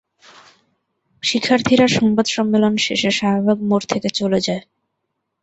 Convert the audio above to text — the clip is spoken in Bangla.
শিক্ষার্থীরা সংবাদ সম্মেলন শেষে শাহবাগ মোড় থেকে চলে যায়।